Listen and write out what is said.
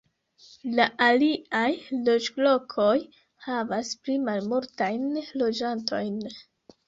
La aliaj loĝlokoj havas pli malmultajn loĝantojn.